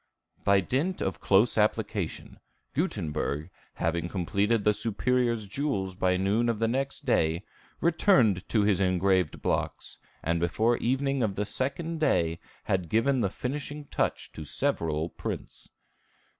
By dint of close application, Gutenberg, having completed the Superior's jewels by noon of the next day, returned to his engraved blocks, and before evening of the second day had given the finishing touch to several prints.